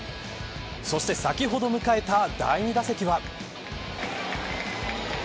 そして先ほど迎えた第２打席は。